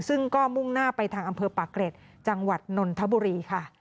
ซึ่งก็มุ่งหน้าไปทางอำเภอปากเกร็ดจังหวัดนนทบุรีค่ะ